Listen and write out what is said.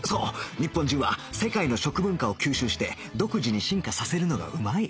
日本人は世界の食文化を吸収して独自に進化させるのがうまい